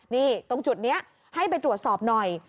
นี่ตรงจุดนี้ให้ไปตรวจสอบหน่อย